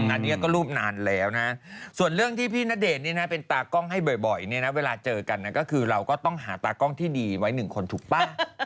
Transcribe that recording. อันนี้ก็รูปนานแล้วนะส่วนเรื่องที่พี่ณเดชน์เป็นตากล้องให้บ่อยเนี่ยนะเวลาเจอกันก็คือเราก็ต้องหาตากล้องที่ดีไว้หนึ่งคนถูกป่ะ